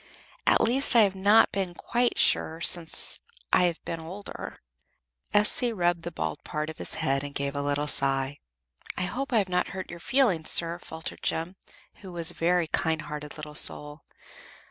At least I have not been quite sure since I have been older." S.C. rubbed the bald part of his head and gave a little sigh. "I hope I have not hurt your feelings, sir," faltered Jem, who was a very kind hearted little soul.